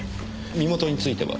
身元については？